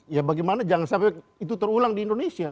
ya bagaimana jangan sampai itu terulang di indonesia